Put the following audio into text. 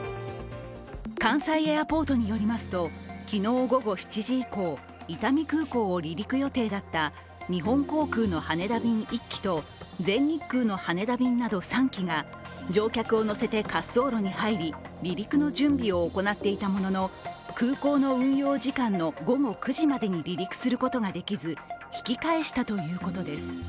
関西エアポートによりますと昨日午後７時以降伊丹空港を離陸予定だった日本航空の羽田便１機と全日空の羽田便など３機が乗客を乗せて滑走路に入り、離陸の準備を行っていたものの空港の運用時間の午後９時までに離陸することができず、引き返したということです。